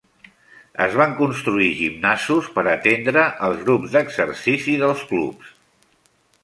Es van construir gimnasos per atendre els grups d'exercici dels clubs.